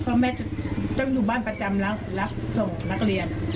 เพราะแม่ต้องอยู่บ้านประจำรับส่งนักเรียน